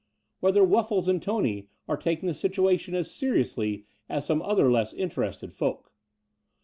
... Whether WuflBes and Tony are taking the situation as seriously as some other less in terested folk?